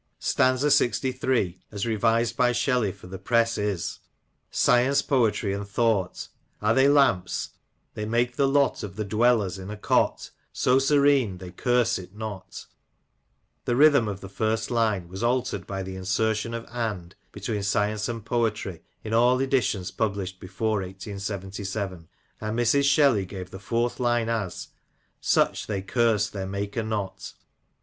Stanza Ixiii., as revised by Shelley for the press, is :—Science, Poetry and Thought Are they lamps ; they make the lot Of the dwellers in a cot So serene, they curse it not." 20 SHELLEY, '' PETERLOO," AND The rhythm of the first line was altered by the insertion of a7td between Science and Poetry in all editions pub lished before 1877; and Mrs. Shelley gave the fourth line as " Such they curse their Maker not."